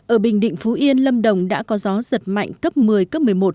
ở bình định phú yên lâm đồng đã có gió giật mạnh cấp một mươi cấp một mươi một